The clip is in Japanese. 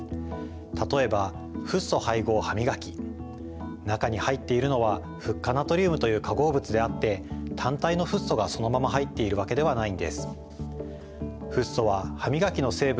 例えば中に入っているのはフッ化ナトリウムという化合物であって単体のフッ素がそのまま入っているわけではないんです。